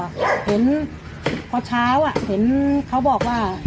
เราก็เห็นเพราะเช้าเขาบอกว่า